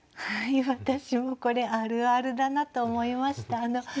はい私もこれあるあるだなと思いました。